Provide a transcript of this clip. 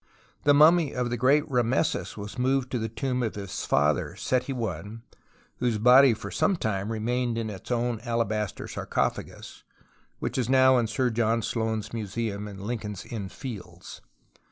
The mummy of tlie great Rameses was moved to the tomb of his father, Seti I, whose body for some time remained in its own alabaster sarcophagus, which is now in Sir John Soane's INIuseum in Lincoln's Inn Fields.